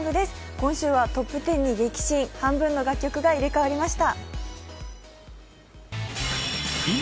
今週はトップ１０に激震、半分の楽曲が入れ替わりました。